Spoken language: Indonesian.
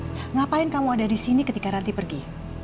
mengapa kamu ada di sini ketika rantih pergi